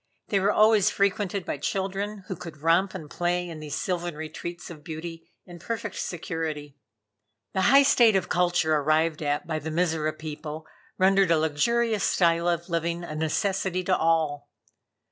They were always frequented by children, who could romp and play in these sylvan retreats of beauty in perfect security. The high state of culture arrived at by the Mizora people rendered a luxurious style of living a necessity to all.